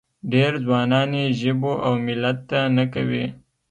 ډېر ځوانان یې ژبو او ملت ته نه کوي.